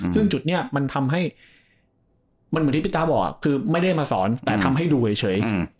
ซึ่งจุดนี้มันทำให้มันเหมือนที่พี่ตาบอกคือไม่ได้มาสอนแต่ทำให้ดูเฉย